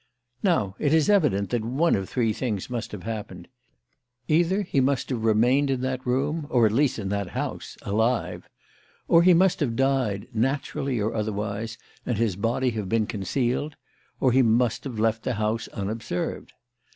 "Now, it is evident that one of three things must have happened. Either he must have remained in that room, or at least in that house, alive; or he must have died, naturally or otherwise, and his body have been concealed; or he must have left the house unobserved.